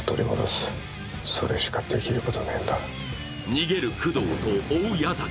逃げる工藤と追う矢崎。